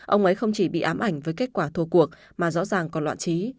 ông ấy không chỉ bị ám ảnh với kết quả thô cuộc mà rõ ràng còn loạn trí